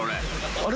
あれ？